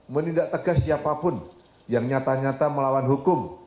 menindak tegas siapapun yang nyata nyata melawan hukum